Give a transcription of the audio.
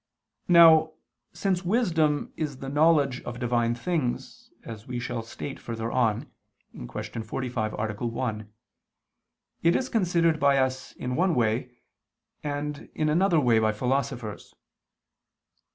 Now, since wisdom is the knowledge of Divine things, as we shall state further on (Q. 45, A. 1), it is considered by us in one way, and in another way by philosophers.